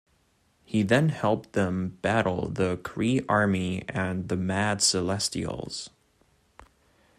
He then helped them battle the Kree army and the Mad Celestials.